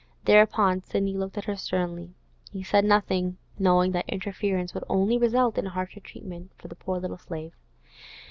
Thereupon Sidney looked at her sternly; he said nothing, knowing that interference would only result in harsher treatment for the poor little slave.